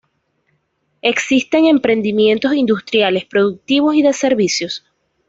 Existen emprendimientos industriales, productivos y de servicios.